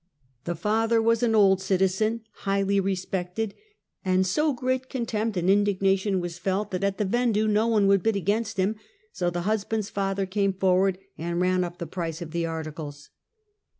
The father was an old citizen, highly respected, and so great contempt and indignation was felt, that at the vendue no one would bid against him, so the husband's father came forward and ran up the price of the articles.